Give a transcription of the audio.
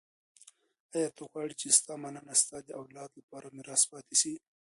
ایا ته غواړې چي ستا مننه ستا د اولاد لپاره میراث پاته سي؟